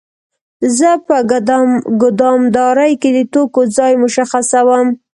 زه په ګدامدارۍ کې د توکو ځای مشخصوم.